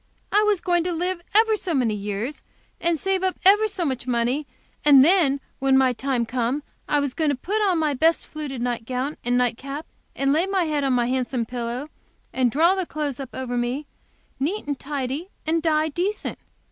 I was going to live ever so years, and save up ever so much money, and when my time come, I was going to put on my best fluted night gown and night cap, and lay my head on my handsome pillow, and draw the clothes up over me, neat and tidy, and die decent.